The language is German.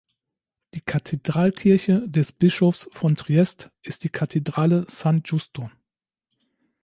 Die Kathedralkirche des Bischofs von Triest ist die Kathedrale San Giusto.